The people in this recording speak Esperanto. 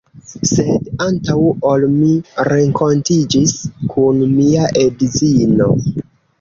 Sed antaŭ ol mi renkontiĝis kun mia edzino